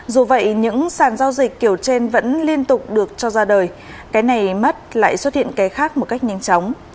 dù vậy những sản giao dịch kiểu trên vẫn liên tục được cho ra đời cái này mắt lại xuất hiện cái khác một cách nhanh chóng